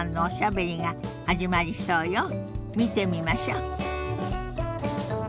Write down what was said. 見てみましょ。